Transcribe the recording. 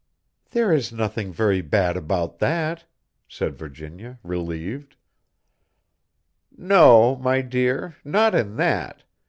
"There is nothing very bad about that," said Virginia, relieved. "No, my dear, not in that.